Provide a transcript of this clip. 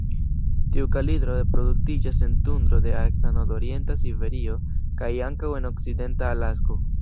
Tiu kalidro reproduktiĝas en tundro de arkta nordorienta Siberio kaj ankaŭ en okcidenta Alasko.